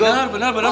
benar benar benar